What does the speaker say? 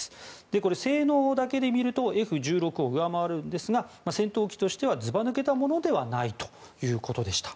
これ、性能だけで見るとＦ１６を上回りますが戦闘機としてはずば抜けたものではないということでした。